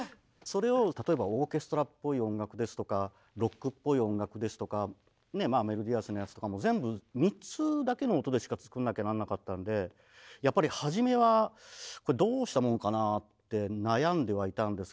それを例えばオーケストラっぽい音楽ですとかロックっぽい音楽ですとかメロディアスなやつとかも全部３つだけの音でしか作んなきゃなんなかったんでやっぱり初めは「これどうしたもんかな」って悩んではいたんですけど。